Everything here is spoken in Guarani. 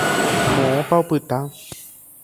Moõpa opyta.